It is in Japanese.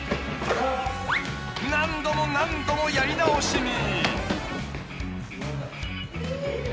［何度も何度もやり直しに］